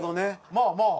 まあまあ。